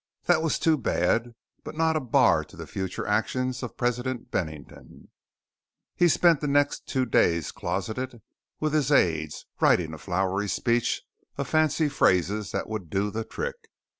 That was too bad, but not a bar to the future actions of President Bennington. He spent the next two days closeted with his aides writing a flowery speech of fancy phrases that would do the trick.